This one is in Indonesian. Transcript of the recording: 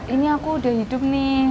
ini aku udah hidup nih